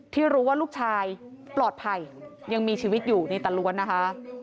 ที่รู้ว่าลูกชายปลอดภัยยังมีชีวิตอยู่นี่ตาล้วนนะคะ